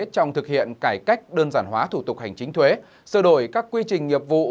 trong thực hiện cải cách đơn giản hóa thủ tục hành chính thuế sơ đổi các quy trình nghiệp vụ